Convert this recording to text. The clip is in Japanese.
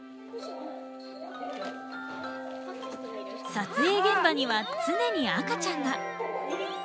撮影現場には常に赤ちゃんが。